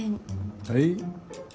はい。